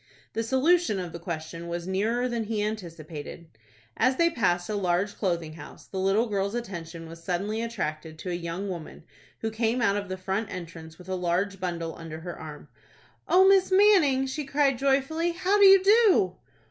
The solution of the question was nearer than he anticipated. As they passed a large clothing house, the little girl's attention was suddenly attracted to a young woman, who came out of the front entrance with a large bundle under her arm. "O Miss Manning," she cried, joyfully, "how do you do?"